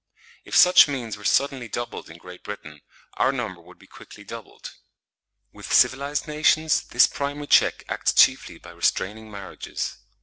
If such means were suddenly doubled in Great Britain, our number would be quickly doubled. With civilised nations this primary check acts chiefly by restraining marriages.